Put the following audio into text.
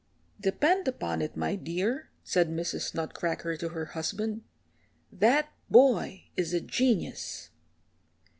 "Depend upon it, my dear," said Mrs. Nutcracker to her husband, "that boy is a genius."